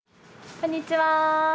こんにちは。